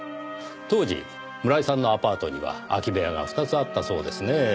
当時村井さんのアパートには空き部屋が２つあったそうですねぇ。